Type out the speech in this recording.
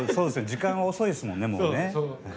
時間遅いですもんね、もう。